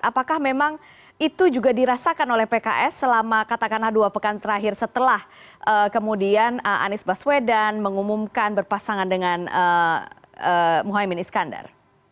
apakah memang itu juga dirasakan oleh pks selama katakan haduh apa kan terakhir setelah kemudian anies baswedan mengumumkan berpasangan dengan muhammad iskandar